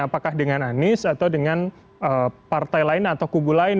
apakah dengan anies atau dengan partai lain atau kubu lain